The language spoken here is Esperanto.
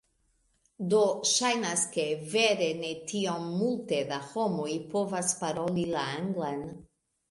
Do ŝajnas ke, vere ne tiom multe da homoj povas paroli la Anglan.